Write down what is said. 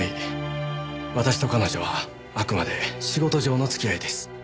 私と彼女はあくまで仕事上の付き合いです。